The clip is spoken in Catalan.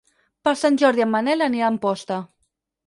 Per Sant Jordi en Manel anirà a Amposta.